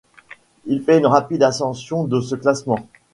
Il fait une rapide ascension de ce classement.